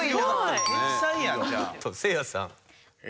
せいやさん。